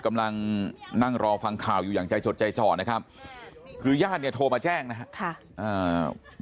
กำลังนั่งรอฟังข่าวอยู่อย่างใจจดใจจ่อนะครับคือญาติเนี่ยโทรมาแจ้งนะครับ